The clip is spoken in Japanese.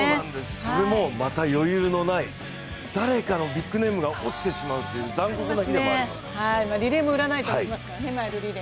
それもまた余裕のない誰かのビッグネームが落ちてしまうっていう残酷な日でもあります。